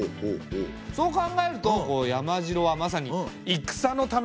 そう考えると山城はまさに戦のための要塞だよね。